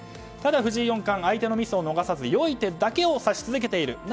ただ藤井四冠は相手のミスを逃さず良い手だけを指し続けている。